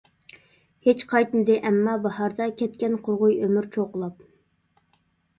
ھېچ قايتمىدى ئەمما باھاردا، كەتكەن قۇرغۇي ئۆمۈر چوقۇلاپ.